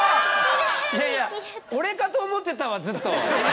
いやいや俺かと思ってたわずっと。